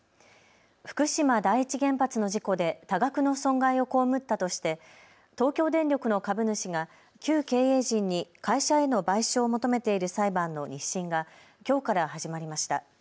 福島第一原発の事故で多額の損害を被ったとして東京電力の株主が旧経営陣に会社への賠償を求めている裁判の２審がきょうから始まりました。